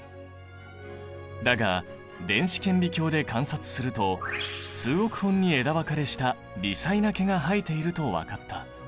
だが電子顕微鏡で観察すると数億本に枝分かれした微細な毛が生えていると分かった。